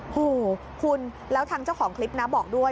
โหคุณแล้วทางเจ้าของคลิปนะบอกด้วย